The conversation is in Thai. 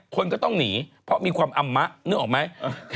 คนก็ต้องหนีเพราะมีความอำมะนึกออกไหม